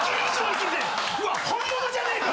うわっ本物じゃねえか！